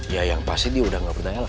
ya yang pasti dia udah gak berdanya lah